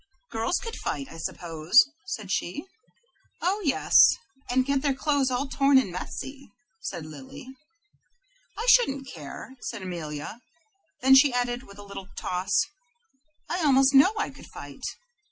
"Girls could fight, I suppose," said she. "Oh yes, and get their clothes all torn and messy," said Lily. "I shouldn't care," said Amelia. Then she added, with a little toss, "I almost know I could fight."